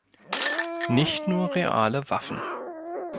Nicht nur reale Waffen.